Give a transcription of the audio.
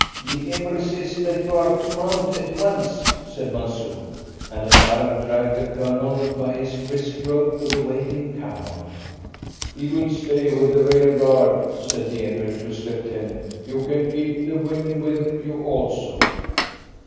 "The Emir says that you are to mount at once," said Mansoor, and an Arab dragged the Colonel by his wrist rope to the waiting camel. "He will stay with the rearguard," said the Emir to his lieutenant. "You can keep the women with you also."